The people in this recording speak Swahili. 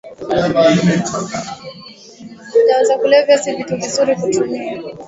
Dawa za kulevya si vitu vizuri kutumia